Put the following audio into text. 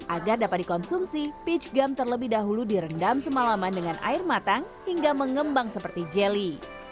agar dapat dikonsumsi peach gum terlebih dahulu direndam semalaman dengan air matang hingga mengembang seperti jelly